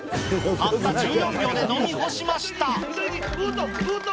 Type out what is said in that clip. たった１４秒で飲み干しましぐっとぐっと！